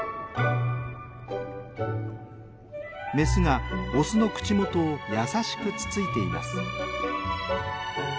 メスがオスの口元を優しくつついています。